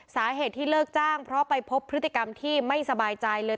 สาเหตุที่เลิกจ้างเพราะไปพบพฤติกรรมที่ไม่สบายใจเลย